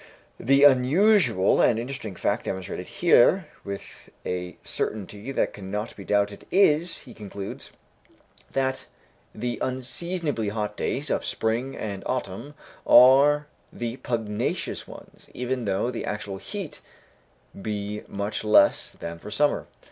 "The unusual and interesting fact demonstrated here with a certainty that cannot be doubted is," he concludes, "that the unseasonably hot days of spring and autumn are the pugnacious ones, even though the actual heat be much less than for summer.